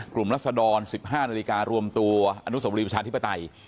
กลุ่มรัษดร๑๕นาฬิการวมตัวอนุสมบุรีประชาธิปไตย